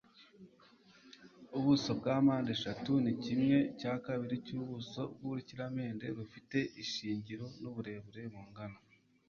Ubuso bwa mpandeshatu ni kimwe cya kabiri cyubuso bwurukiramende rufite ishingiro nuburebure bungana